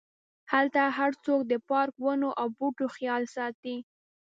هلته هرڅوک د پارک، ونو او بوټو خیال ساتي.